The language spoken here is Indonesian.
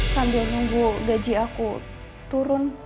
sambil nunggu gaji aku turun